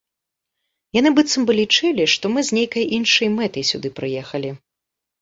Яны быццам бы лічылі, што мы з нейкай іншай мэтай сюды прыехалі.